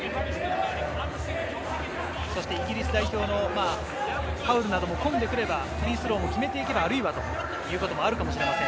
イギリス代表のファウルなども混んでくればフリースローも決めていけば、あるいはということもあるかもしれません。